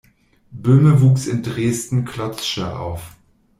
Böhme wuchs in Dresden-Klotzsche auf.